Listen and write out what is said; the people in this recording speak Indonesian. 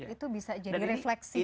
itu bisa jadi refleksi